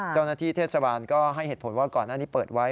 เจ้าหน้าที่เทศบาลก็ให้เหตุผลว่าก่อนหน้านี้เปิดไว้